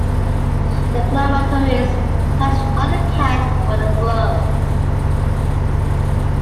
The clan motto is "Touch not the cat but a glove".